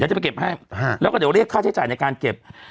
เดี๋ยวจะไปเก็บให้แล้วก็เดี๋ยวเรียกค่าใช้จ่ายในการเก็บ